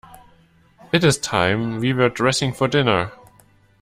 It is time we were dressing for dinner.